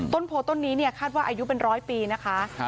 ต้นโพต้นนี้เนี่ยคาดว่าอายุเป็นร้อยปีนะคะ